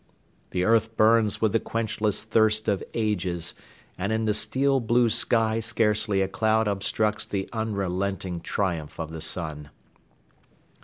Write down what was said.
The earth burns with the quenchless thirst of ages, and in the steel blue sky scarcely a cloud obstructs the unrelenting triumph of the sun.